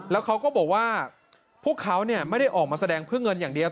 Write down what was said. แล้วเขาก็บอกว่าพวกเขาไม่ได้ออกมาแสดงเพื่อเงินอย่างเดียว